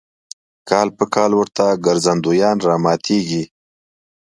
کال په کال ورته ګرځندویان راماتېږي.